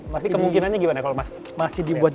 tapi kemungkinannya gimana kalau masih dibuat